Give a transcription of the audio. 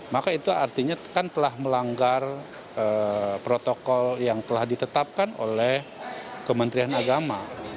maka itu artinya kan telah melanggar protokol yang telah ditetapkan oleh kementerian agama